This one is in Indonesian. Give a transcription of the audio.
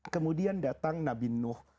kemudian datang nabi nuh